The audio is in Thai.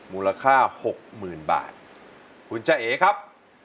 มูลค่า๖๐๐๐๐บาทคุณเจ้าเอกครับ